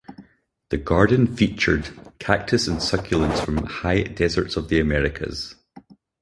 The Garden featured cactus and succulents from high deserts of the Americas.